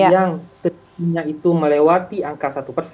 yang setidaknya itu melewati angka satu